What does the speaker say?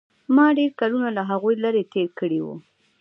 ما ډېر کلونه له هغوى لرې تېر کړي وو.